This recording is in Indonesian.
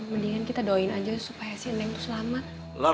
mendingan kita doain aja supaya si neng itu selamat